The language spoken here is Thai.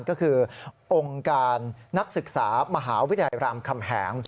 ก็คือองค์การนักศึกษามหาวิทยาลัยรามคำแหง